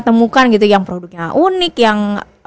temukan gitu yang produknya unik yang